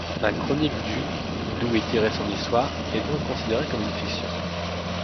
La chronique du d'où est tirée son histoire est donc considérée comme une fiction.